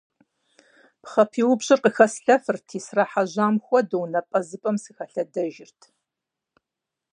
Пхъэ пиупщӀыр къыхэслъэфырти, срахьэжьам хуэдэу, напӀэзыпӀэм сыхэлъэдэжырт.